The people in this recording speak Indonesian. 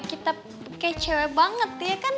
kita kayak cewek banget ya kan